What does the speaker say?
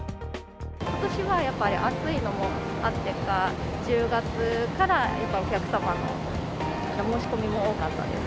ことしはやっぱり暑いのもあってか、１０月から、やっぱお客様の申し込みも多かったです。